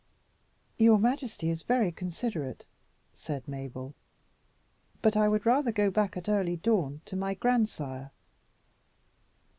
"Your majesty is very considerate," said Mabel, "but I would rather go back at early dawn to my grandsire."